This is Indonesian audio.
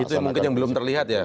itu mungkin yang belum terlihat ya